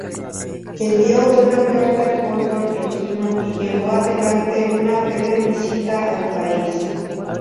Envió una carta al pueblo argentino y llevó adelante una breve visita al país.